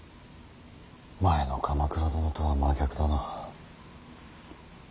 前の鎌倉殿とは真逆だな。